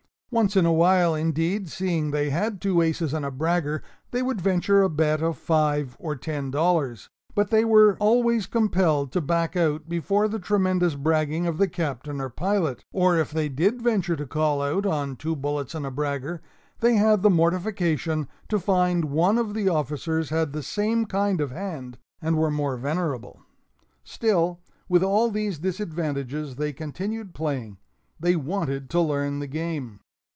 Once in awhile, indeed, seeing they had two aces and a bragger, they would venture a bet of five or ten dollars, but they were always compelled to back out before the tremendous bragging of the Captain or pilot or if they did venture to "call out" on "two bullits and a bragger," they had the mortification to find one of the officers had the same kind of a hand, and were more venerable! Still, with all these disadvantages, they continued playing they wanted to learn the game.